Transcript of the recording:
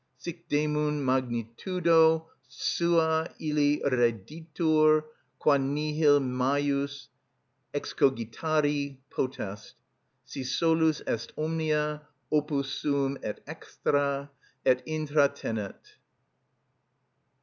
Sic demum magnitudo sua illi redditur, qua nihil majus excogitari potest: si solus est omnia, opus suum et extra, et intra tenet.